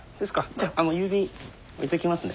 じゃあ郵便置いときますね。